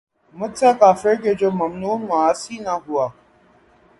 مجھ سا کافر کہ جو ممنون معاصی نہ ہوا